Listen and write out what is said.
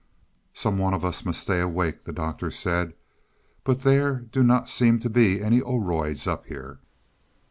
"Some one of us must stay awake," the Doctor said. "But there do not seem to be any Oroids up here."